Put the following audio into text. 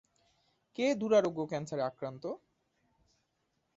কে দুরারোগ্য ক্যানসারে আক্রান্ত?